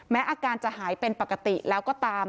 อาการจะหายเป็นปกติแล้วก็ตาม